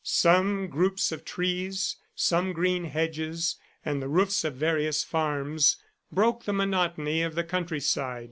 Some groups of trees, some green hedges and the roofs of various farms broke the monotony of the countryside.